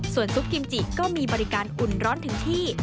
ส่วนซุปกิมจิก็มีบริการอุ่นร้อนถึงที่